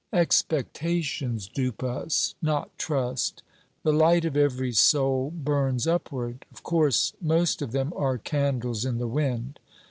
'Expectations dupe us, not trust. The light of every soul burns upward. Of course, most of them are candles in the wind.